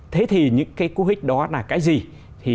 thế thì những cú hích đó là cái gì